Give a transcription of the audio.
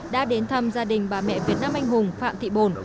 đã đến thăm gia đình bà mẹ việt nam anh hùng phạm thị bồn